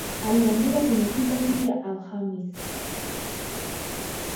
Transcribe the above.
Aliandika kwenye Twitter siku ya Alhamisi